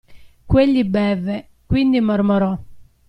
Quegli bevve, quindi mormorò.